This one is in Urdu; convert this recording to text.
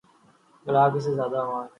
گلاب کی سے زیادہ انواع ہیں